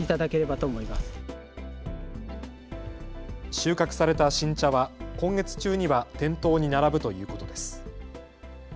収穫された新茶は今月中には店頭に並ぶということです。